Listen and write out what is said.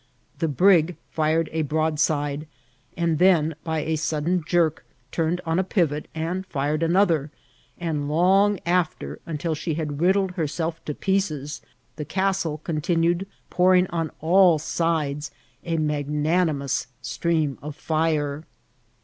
The brig fired a broadside, and then, by a sud den jerk, turned on a pivot and fired another ; and long after, until she had riddled herself to pieces, the castle continued pouring on all sides a magnanimous stream of fire.